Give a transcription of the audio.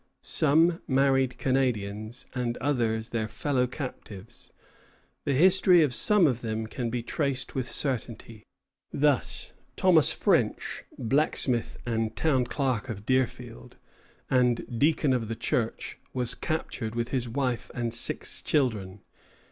Some married Canadians, and others their fellow captives. The history of some of them can be traced with certainty. Thus, Thomas French, blacksmith and town clerk of Deerfield, and deacon of the church, was captured, with his wife and six children.